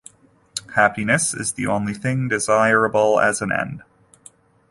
Happiness is the only thing desirable as an end.